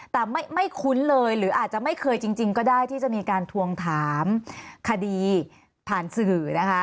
แต่ไม่คุ้นเลยหรืออาจจะไม่เคยจริงก็ได้ที่จะมีการทวงถามคดีผ่านสื่อนะคะ